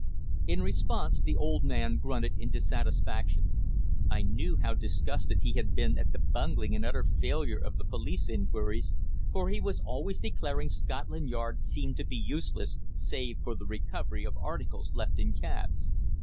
In response the old man grunted in dissatisfaction. I knew how disgusted he had been at the bungling and utter failure of the police inquiries, for he was always declaring Scotland Yard seemed to be useless, save for the recovery of articles left in cabs.